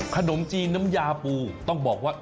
ขนมจีนน้ำยาปูต้องบอกว่า